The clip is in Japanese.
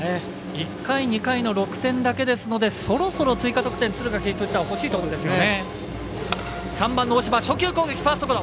１回、２回の６点だけですのでそろそろ追加得点敦賀気比としては欲しいところですよね。